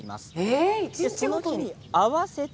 その日に合わせた